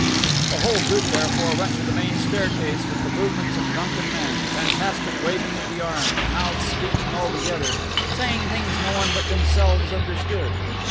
The whole group, therefore, went to the main staircase, with the movements of drunken men, fantastic waving of the arms, mouths speaking all together, saying things no one but themselves understood.